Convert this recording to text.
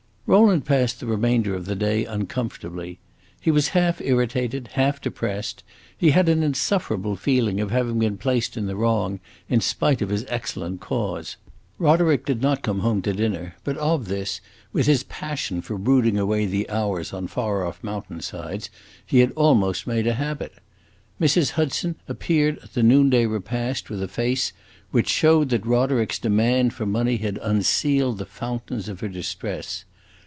Rowland passed the remainder of the day uncomfortably. He was half irritated, half depressed; he had an insufferable feeling of having been placed in the wrong, in spite of his excellent cause. Roderick did not come home to dinner; but of this, with his passion for brooding away the hours on far off mountain sides, he had almost made a habit. Mrs. Hudson appeared at the noonday repast with a face which showed that Roderick's demand for money had unsealed the fountains of her distress.